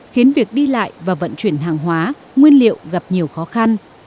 khiến việc đi lại và vận chuyển hàng hóa nguyên liệu gặp nhiều khó khăn